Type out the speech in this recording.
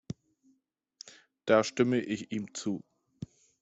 Da stimme ich ihm zu.